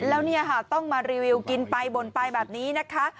แล้วเนี่ยค่ะต้องมารีวิวกินไปบ่นไปแบบนี้นะคะ